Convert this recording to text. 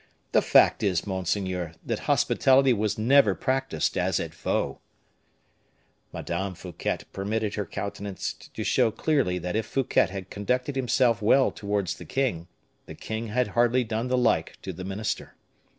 "The fact is, monseigneur, that hospitality was never practiced as at Vaux." Madame Fouquet permitted her countenance to show clearly that if Fouquet had conducted himself well towards the king, the king had hardly done the like to the minister.